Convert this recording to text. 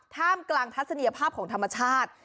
ท่ามกลางทัศนียภาพของธรรมชาติ